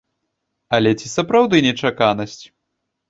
Але ці сапраўды нечаканасць.